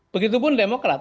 begitu pun demokrat